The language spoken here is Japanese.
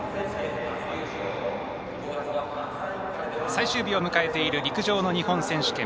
最終日を迎えている陸上の日本選手権。